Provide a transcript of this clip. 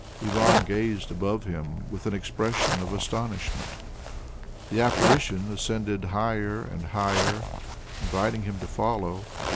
Ivan gazed above him with an expression of astonishment. The Apparition ascended higher and higher, inviting him to follow.